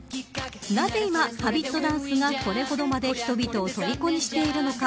なぜ今Ｈａｂｉｔダンスがこれほどまで人々をとりこにしているのか。